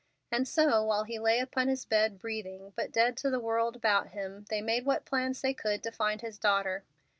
And so, while he lay upon his bed, breathing, but dead to the world about him, they made what plans they could to find his daughter.